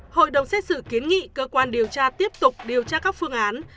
hội đồng xét xử kiến nghị cơ quan điều tra tiếp tục điều tra các phương án